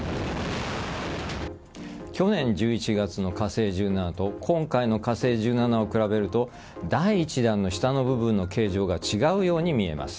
去年１１月の火星１７と今回の火星１７を比べると第１段の下の部分の形状が違うように見えます。